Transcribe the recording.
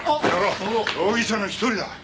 容疑者の一人だ。